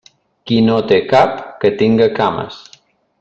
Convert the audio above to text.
Qui no té cap, que tinga cames.